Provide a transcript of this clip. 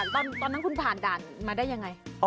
ตอนนั้นคุณผ่านด่านมาได้ยังไง